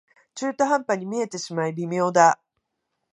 中途半端に見えてしまい微妙だ